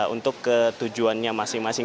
untuk ketujuannya masing masing